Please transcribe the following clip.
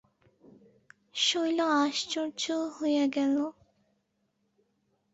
শৈল আশ্চর্য হইয়া গেল।